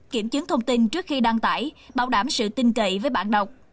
kiểm chứng thông tin trước khi đăng tải bảo đảm sự tin cậy với bạn đọc